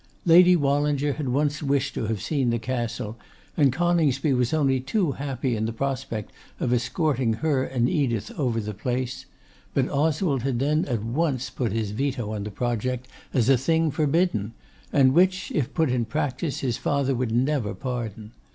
Lady Wallinger had once wished to have seen the Castle, and Coningsby was only too happy in the prospect of escorting her and Edith over the place; but Oswald had then at once put his veto on the project, as a thing forbidden; and which, if put in practice, his father would never pardon.